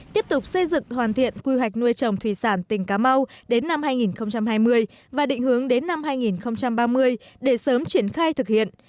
tiếp tục xây dựng hoàn thiện quy hoạch nuôi trồng thủy sản tỉnh cà mau đến năm hai nghìn hai mươi và định hướng đến năm hai nghìn ba mươi để sớm triển khai thực hiện